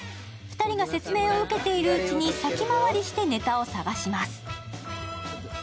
２人が説明を受けているうちに、先回りしてネタを探します。